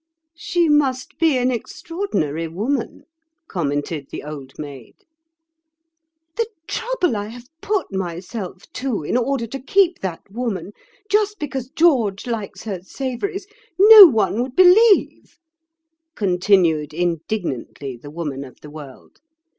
"She must be an extraordinary woman," commented the Old Maid. "The trouble I have put myself to in order to keep that woman, just because George likes her savouries, no one would believe," continued indignantly the Woman of the World.